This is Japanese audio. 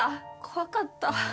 怖かった。